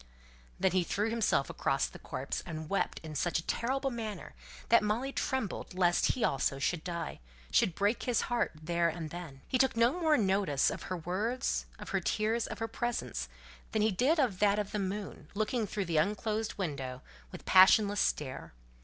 Then he threw himself across the corpse, and wept in such a terrible manner that Molly trembled lest he also should die should break his heart there and then. He took no more notice of her words, of her tears, of her presence, than he did of that of the moon, looking through the unclosed window, with passionless stare.